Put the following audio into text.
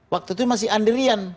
waktu itu masih andrian